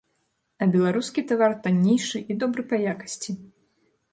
А беларускі тавар таннейшы і добры па якасці.